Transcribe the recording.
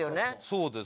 そうです。